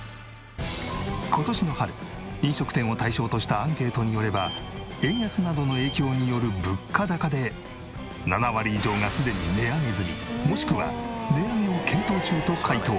今年の春飲食店を対象としたアンケートによれば円安などの影響による物価高で７割以上がすでに値上げ済みもしくは値上げを検討中と回答。